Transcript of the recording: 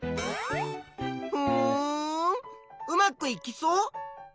ふんうまくいきそう？